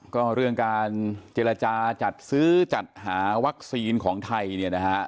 ก็เรื่องการเจรจาจัดซื้อจัดหาวัคซีนของไทยเนี่ยนะฮะ